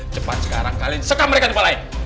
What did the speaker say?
cepat sekarang kalian sekam mereka di tempat lain